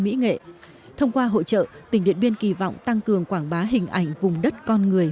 mỹ nghệ thông qua hội trợ tỉnh điện biên kỳ vọng tăng cường quảng bá hình ảnh vùng đất con người